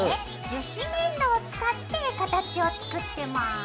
樹脂粘土を使って形を作ってます。